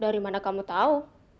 dari mana kamu tahu